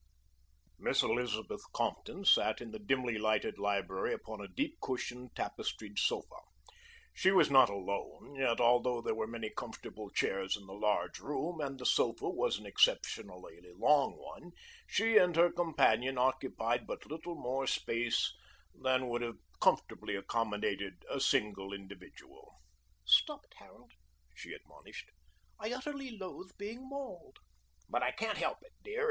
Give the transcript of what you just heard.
Miss Elizabeth Compton sat in the dimly lighted library upon a deep cushioned, tapestried sofa. She was not alone, yet although there were many comfortable chairs in the large room, and the sofa was an exceptionally long one, she and her companion occupied but little more space than would have comfortably accommodated a single individual. "Stop it, Harold," she admonished. "I utterly loathe being mauled." "But I can't help it, dear.